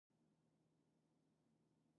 梅